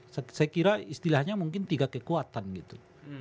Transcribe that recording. saya kira istilahnya mungkin tiga kekuatan gitu